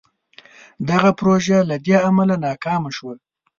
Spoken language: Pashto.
دغه پروژه له دې امله ناکامه شوه.